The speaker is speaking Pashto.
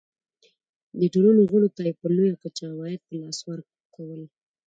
دې ټولنو غړو ته یې په لویه کچه عواید په لاس ورکول.